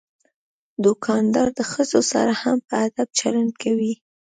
دوکاندار د ښځو سره هم په ادب چلند کوي.